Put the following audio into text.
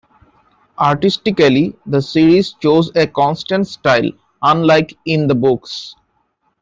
Artistically, the series chose a constant style, unlike in the books.